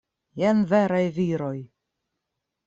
Jen veraj viroj!